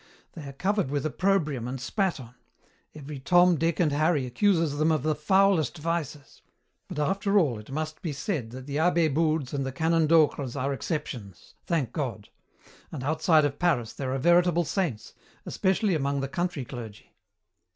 They are covered with opprobrium and spat on. Every Tom, Dick, and Harry accuses them of the foulest vices. But after all, it must be said that the abbé Boudes and the Canon Docres are exceptions, thank God! and outside of Paris there are veritable saints, especially among the country clergy."